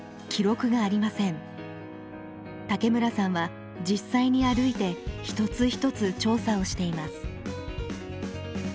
武村さんは実際に歩いて一つ一つ調査をしています。